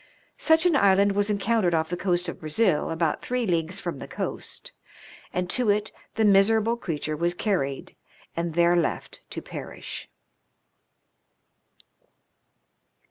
Such an island was encountered off the coast of Brazil, about three leagues from the coast, and to it the miserable creature was carried and there left to perish.